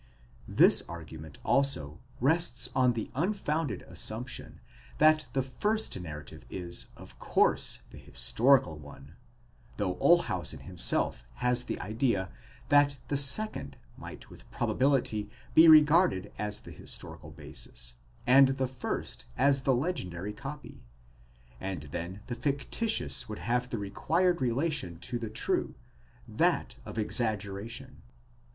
This argument, also, rests on the unfounded assumption that the first narrative is of course the historical one ; though Olshausen himself has the idea that the second might with prob ability be regarded as the historical basis, and the first as the legendary copy, and then the fictitious would have the required relation to the true—that of exaggeration.